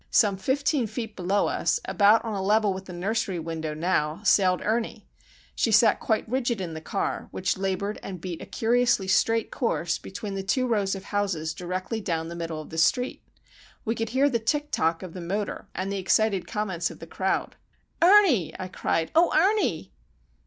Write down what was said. Some fifteen feet below us, about on a level with the nursery window now, sailed Ernie. She sat quite rigid in the car, which laboured and beat a curiously straight course between the two rows of houses directly down the middle of the street. We could hear the tick tock of the motor and the excited comments of the crowd. "Ernie!" I cried. "Oh, Ernie!"